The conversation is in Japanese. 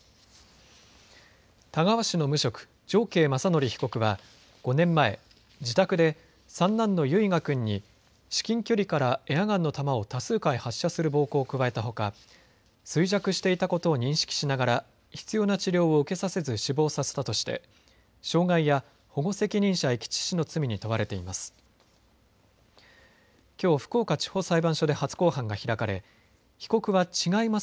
田川市の無職、常慶雅則被告は５年前、自宅で三男の唯雅君に至近距離からエアガンの弾を多数回発射する暴行を加えたほか衰弱していたことを認識しながら必要な治療を受けさせず死亡させたとして傷害や保護責任者遺棄致死の罪に問われています。